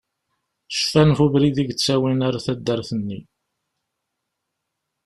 Cfan ɣef ubrid i yettawin ar taddart-nni.